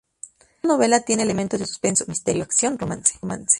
Esta novela tiene elementos de suspenso, misterio, acción, romance.